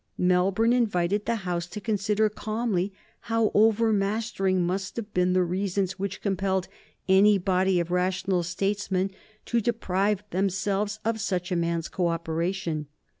Melbourne invited the House to consider calmly how overmastering must have been the reasons which compelled any body of rational statesmen to deprive themselves of such a man's co operation.